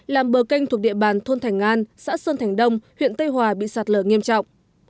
làm bờ canh thuộc địa bàn thôn thành an xã sơn thành đông huyện tây hòa bị sạt lở nghiêm trọng